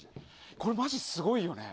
これ、マジすごいよね。